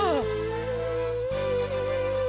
うん。